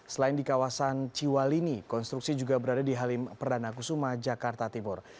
selain di kawasan ciwalini konstruksi juga berada di halim perdana kusuma jakarta timur